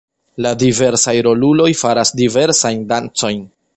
La diversaj roluloj faras diversajn dancojn.